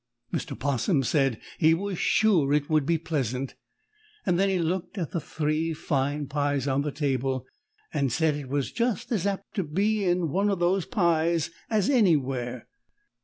Mr. 'Possum said he was sure it would be pleasant, and then he looked at the three fine pies on the table and said it was just as apt to be in one of those pies as anywhere.